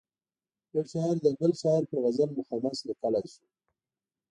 یو شاعر د بل شاعر پر غزل مخمس لیکلای شو.